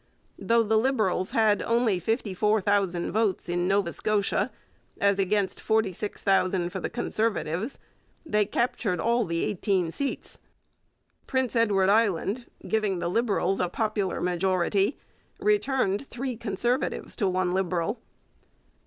Though the Liberals had only 54,000 votes in Nova Scotia, as against 46,000 for the Conservatives, they captured all the eighteen seats. Prince Edward Island, giving the Liberals a popular majority, returned three Conservatives to one Liberal.